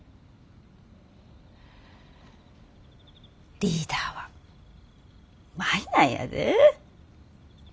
リーダーは舞なんやで。